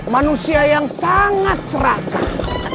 manusia yang sangat serakah